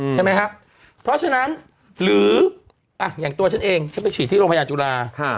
ใช่ไหมครับเพราะฉะนั้นหรืออย่างตัวฉันเองฉันไปฉีดที่โรงพยาบาลจุฬา